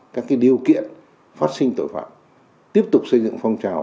các điều kiện phát sinh tội phạm tiếp tục xây dựng phong trào